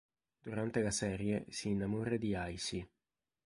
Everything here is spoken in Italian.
Durante la serie si innamora di Icy.